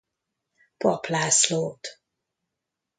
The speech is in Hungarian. Papp Lászlót.